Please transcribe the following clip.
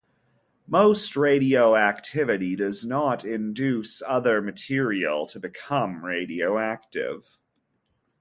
Most radioactivity does not induce other material to become radioactive.